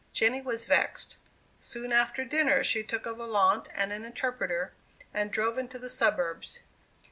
Jenny was vexed. Soon after dinner, she took a volante and an interpreter, and drove into the suburbs.